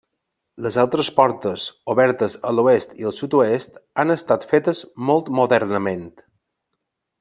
Les altres portes, obertes a l'oest i al sud-oest, han estat fetes molt modernament.